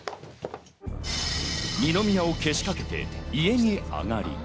二宮をけしかけて、家に上がり。